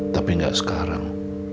tapi gak sekarang